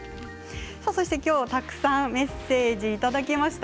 そして、きょうはたくさんメッセージいただきました。